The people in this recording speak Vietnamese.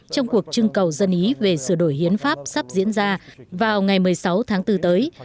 trong cuộc trưng cầu dân ý về sửa đổi hiến pháp sắp diễn ra vào ngày một mươi sáu tháng bốn tới